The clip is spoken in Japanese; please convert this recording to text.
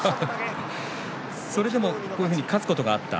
それでも、こういうふうに勝つことがあった。